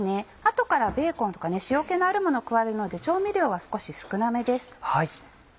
後からベーコンとか塩気のあるものを加えるので調味料は少し少なめです。